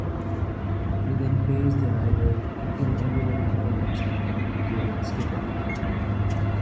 He then pays the raiders to kill everyone in the village, including Skipper.